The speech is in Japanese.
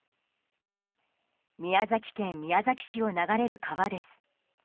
宮崎県宮崎市を流れる川です。